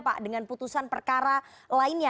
pak dengan putusan perkara lainnya